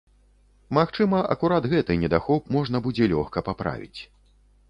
Магчыма, акурат гэты недахоп можна будзе лёгка паправіць.